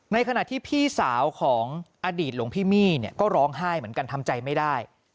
ในขณะที่พี่สาวของอดีตหลวงพี่มี่เนี่ยก็ร้องไห้เหมือนกันทำใจไม่ได้